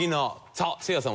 さあせいやさん